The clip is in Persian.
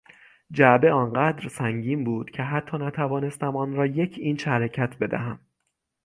جعبه آنقدر سنگین بود که حتی نتوانستم آنرا یک اینچ حرکت بدهم.